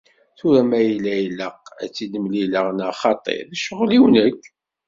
Tura ma yella ilaq ad tt-mlileɣ neɣ xaṭi, d ccɣel-iw nekk.